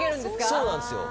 そうなんですよ。